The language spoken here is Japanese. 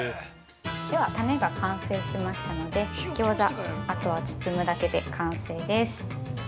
◆ではタネが完成しましたので、餃子、あとは包むだけで完成です。